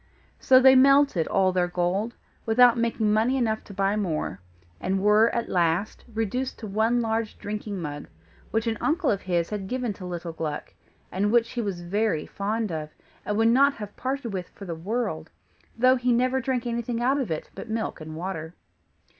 So they melted all their gold, without making money enough to buy more, and were at last reduced to one large drinking mug, which an uncle of his had given to little Gluck, and which he was very fond of, and would not have parted with for the world; though he never drank anything out of it but milk and water.